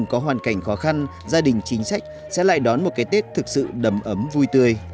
cảm ơn các gia đình đã theo dõi